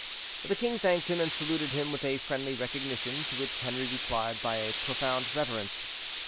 The king thanked him, and saluted him with a friendly recognition, to which Henri replied by a profound reverence.